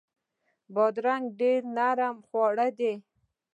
بادرنګ ډیر نرم خواړه دي.